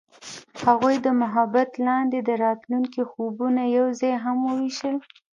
هغوی د محبت لاندې د راتلونکي خوبونه یوځای هم وویشل.